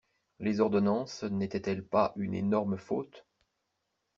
Les ordonnances n'étaient-elles pas une énorme faute?